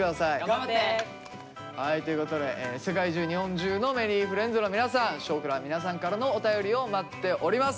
頑張って！ということで世界中日本中のＭｅｒｒｙｆｒｉｅｎｄｓの皆さん「少クラ」は皆さんからのお便りを待っております。